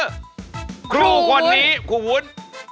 ครูวุ้นครูวันนี้ครูวุ้น